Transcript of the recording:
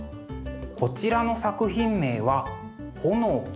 こちらの作品名は「焔」。